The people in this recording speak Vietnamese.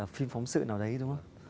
phim phóng sự nào đấy đúng không